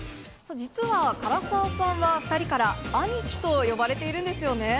実は唐沢さんは２人から兄貴と呼ばれているんですよね。